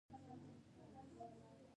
د بزګرانو د کار وخت په دوو برخو ویشل شوی و.